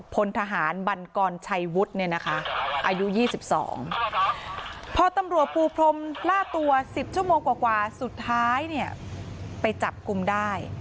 พลทหารบันกรชัยวุฒิเนี่ยนะคะอายุ๒๒พอตำรวจปูพรมล่าตัว๑๐ชั่วโมงกว่าสุดท้ายเนี่ยไปจับกลุ่มได้